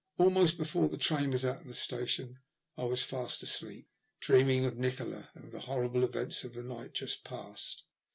Almost before the train was out of the station I was fast asleep, dreaming of Nikola and of the horrible events of the night just past.